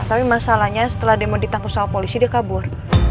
tapi masalahnya setelah demo ditangkap sama polisi dia kabur